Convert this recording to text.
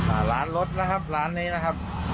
อ่าร้านรถนะครับร้านนี้นะครับ